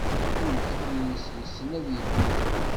Ukyis yessen ad yeddu.